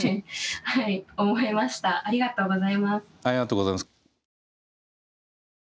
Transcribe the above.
ありがとうございます。